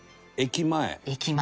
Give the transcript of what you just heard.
駅前？